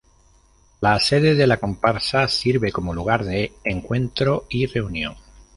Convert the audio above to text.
La sede de la comparsa sirve como lugar de encuentro y reunión.